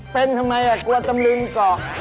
เป็นทำไมกลัวตำลึงเกาะ